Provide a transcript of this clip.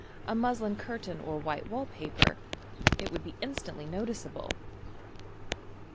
a muslin curtain or white wall paper — it would be instantly noticeable.